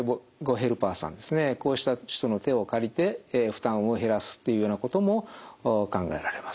ヘルパーさんですねこうした人の手を借りて負担を減らすっていうようなことも考えられます。